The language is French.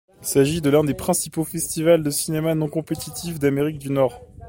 Il s'agit de l'un des principaux festivals de cinéma non compétitifs d'Amérique du Nord.